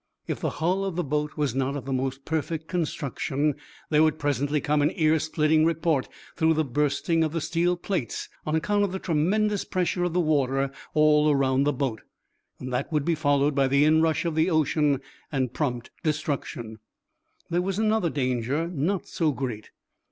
If the hull of the boat was not of the most perfect construction there would presently come an ear splitting report through the bursting in of steel plates on account of the tremendous pressure of the water all around the boat. That would be followed by the inrush of the ocean and prompt destruction. There was another danger, not so great.